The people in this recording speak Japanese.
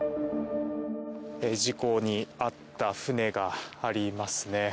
事故に遭った船がありますね。